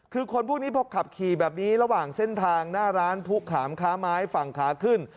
คือคนพวกนี้พอขับขี่แบบนี้ระหว่างเส้นทางหน้าร้านผู้ขามค้าไม้ฝั่งขาขึ้น